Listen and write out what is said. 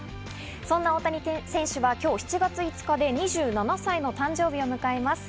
そんな大谷選手は今日７月５日で２７歳の誕生日を迎えます。